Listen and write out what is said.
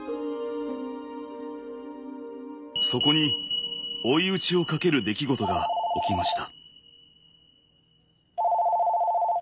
そこに追い打ちをかける出来事が起きました。